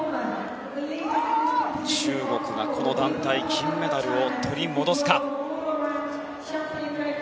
中国が、この団体金メダルを取り戻すか。